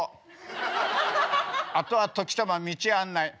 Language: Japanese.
あとは時たま道案内。